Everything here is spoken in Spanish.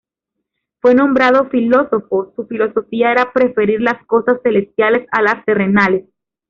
Fue nombrado "filósofo": su filosofía era preferir las cosas celestiales a las terrenales.